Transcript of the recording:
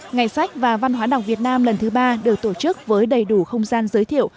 ngày sách và văn hóa đọc việt nam lần thứ ba được tổ chức với đầy đủ không gian giới thiệu